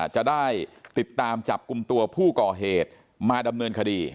จะได้ติดตามจับกลุ่มตัวผู้ก่อเหตุมาดำเนินคดี